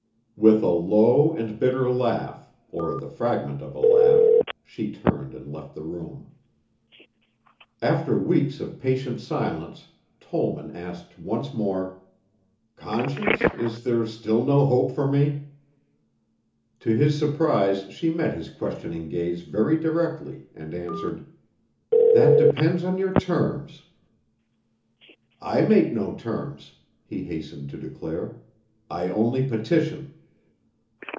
With a low and bitter laugh or the fragment of a laugh, she turned and left the room. After weeks of patient silence, Tollman asked once more, "Conscience, is there still no hope for me?" To his surprise she met his questioning gaze very directly and answered, "That depends on your terms." "I make no terms," he hastened to declare. "I only petition."